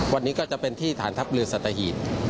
วันนี้ก็จะเป็นที่ฐานทัพเรือสัตหีบ